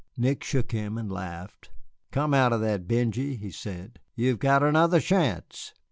Nick shook him and laughed. "Come out of that, Benjy," he said; "you've got another chance."